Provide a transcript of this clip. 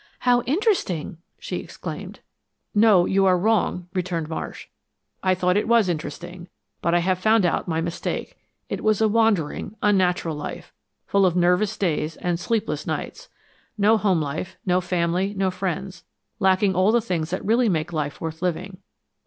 "How interesting," she exclaimed. "No, you are wrong," returned Marsh. "I thought it was interesting, but I have found out my mistake. It was a wandering, unnatural life, full of nervous days and sleepless nights. No home life, no family, no friends lacking all the things that really make life worth living.